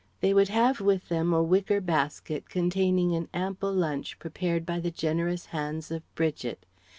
They would have with them a wicker basket containing an ample lunch prepared by the generous hands of Bridget.